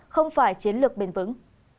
không phải chiến lược bền vững